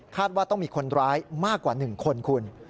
ว่าต้องมีคนร้ายมากกว่า๑คนคุณ